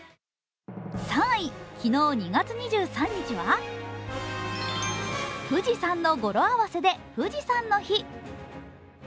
３位、昨日２月２３日は「ふ・じ・さん」の語呂合わせで富士山の日。